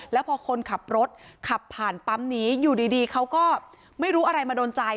แล้วพอคนขับรถขับผ่านปั๊มนี้อยู่ดีเขาก็ไม่รู้อะไรมาโดนใจ